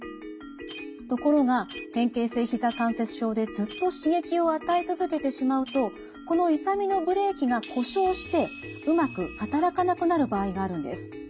ところが変形性ひざ関節症でずっと刺激を与え続けてしまうとこの痛みのブレーキが故障してうまく働かなくなる場合があるんです。